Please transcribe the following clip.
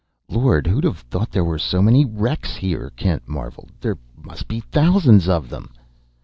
"Lord, who'd have thought there were so many wrecks here!" Kent marvelled. "There must be thousands of them!"